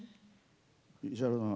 石原さん